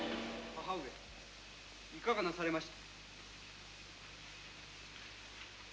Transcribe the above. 母上いかがなされました？